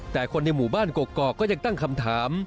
แต่คนในหมู่บ้านกกอกก็ยังตั้งคำถาม